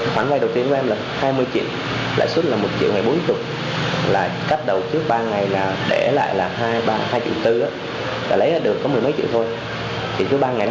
khoản vai đầu tiên của em là hai mươi triệu lãi suất là một triệu ngày bốn tuổi